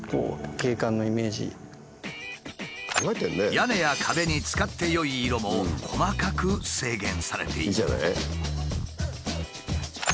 屋根や壁に使ってよい色も細かく制限されている。